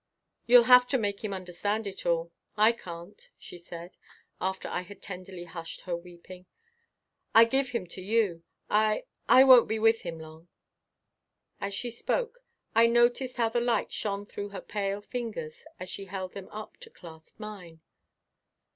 "You'll have to make him understand it all; I can't," she said, after I had tenderly hushed her weeping. "I give him to you. I I won't be with him long." As she spoke I noticed how the light shone through her pale fingers as she held them up to clasp mine.